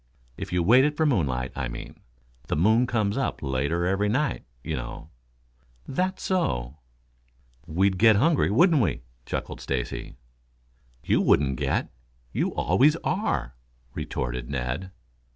"If you waited for moonlight, I mean. The moon comes up later every night, you know." "That's so." "We'd get hungry, wouldn't we?" chuckled Stacy. "You wouldn't get. You always are," retorted Ned.